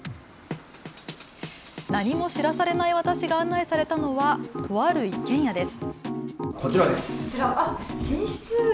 何も知らされない私が案内されたのはとある一軒家です。